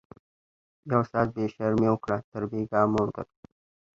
ـ يو ساعت بې شرمي وکړه تر بيګاه موړ ګرځه